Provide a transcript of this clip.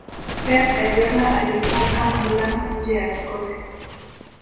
pep guardiola alimuweka muller nje ya kikosi